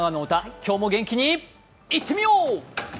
今日も元気にいってみよう！